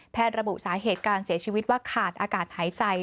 ระบุสาเหตุการเสียชีวิตว่าขาดอากาศหายใจ